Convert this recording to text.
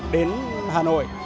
đến hà nội